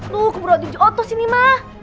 lo keburu waktu di otos ini mah